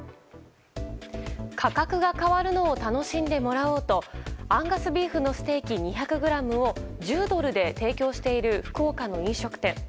価格が変わるのを楽しんでもらおうとアンガスビーフのステーキ２００ｇを１０ドルで提供している福岡の飲食店。